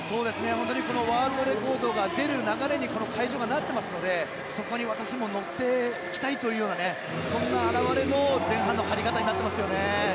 本当にワールドレコードが出る流れにこの会場がなってますのでそこに私も乗っていきたいというそんな表れの前半の入り方になっていますよね。